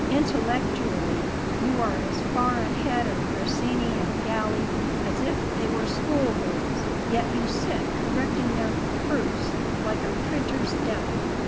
Intellectually you are as far ahead of Grassini and Galli as if they were schoolboys; yet you sit correcting their proofs like a printer's devil."